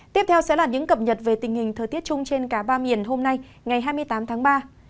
tiếp theo sẽ là những cập nhật về tình hình thời tiết chung trên cả ba miền hôm nay ngày hai mươi tám tháng ba